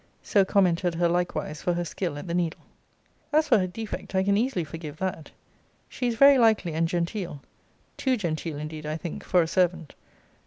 So commented her likewise for her skill at the needle. As for her defect, I can easily forgive that. She is very likely and genteel too genteel indeed, I think, for a servant.